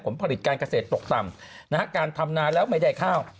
ผลผลิตการเกษตรตกต่ำนะฮะการทำนาแล้วไม่ได้ข้าว